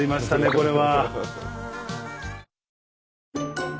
これは。